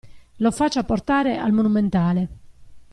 Lo faccia portare al Monumentale.